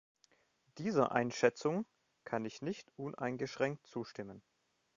Dieser Einschätzung kann ich nicht uneingeschränkt zustimmen.